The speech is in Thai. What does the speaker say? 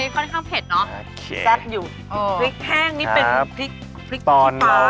พริกแห้งเป็นพริกเบียบดีฟ้า